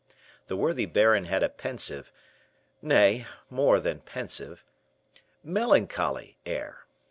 The worthy baron had a pensive nay, more than pensive melancholy air.